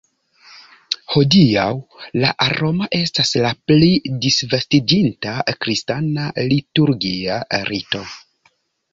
Hodiaŭ la roma estas la pli disvastiĝinta kristana liturgia rito.